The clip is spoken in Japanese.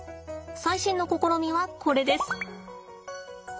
最新の試みはこれです。